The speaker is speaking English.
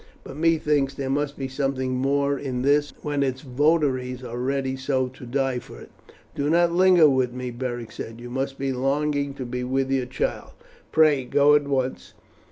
But methinks there must be something more in this when its votaries are ready so to die for it." "Do not linger with me," Beric said. "You must be longing to be with your child. Pray, go at once.